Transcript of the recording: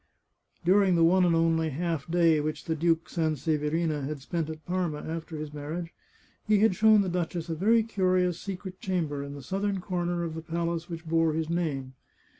During the one and only half day which the Duke San severina had spent at Parma after his marriage, he had shown the duchess a very curious secret chamber in the southern comer of the palace which bore his name.